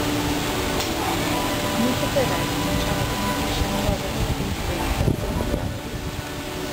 Yn ei llythyrau, mae'n trafod y manteision niferus a gynigiwyd gan y Sefydliad.